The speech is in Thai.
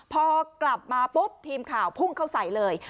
พอกลับมาปุ๊บทีมข่าวพุ่งเข้าใส่เลย